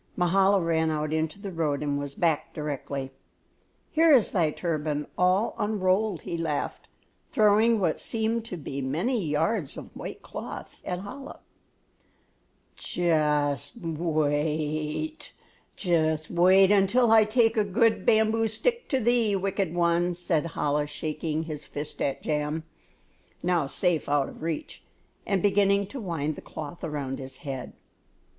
Mahala ran out into the road and was back directly. "Here is thy turban all unrolled," he laughed, throwing what seemed to be many yards of white cloth at Chola. "Just wait until I take a good bamboo stick to thee, wicked one," said Chola, shaking his fist at Jam, now safe out of reach, and beginning to wind the cloth around his head.